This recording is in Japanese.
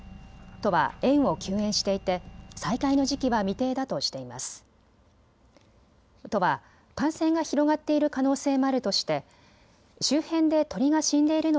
都は園を休園していて再開の時期は未定だとしています。